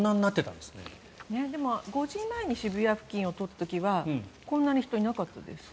でも５時前に渋谷付近を通った時はこんなに人、いなかったです。